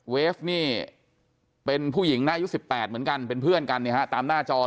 เวฟเป็นผู้หญิงในอายุ๑๘เหมือนกันเป็นเพื่อนตามหน้าจอเลย